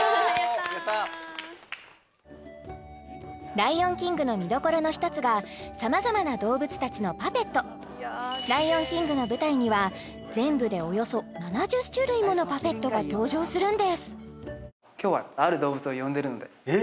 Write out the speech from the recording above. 「ライオンキング」の見どころの一つが様々な動物たちのパペット「ライオンキング」の舞台には全部でおよそ７０種類ものパペットが登場するんですえっ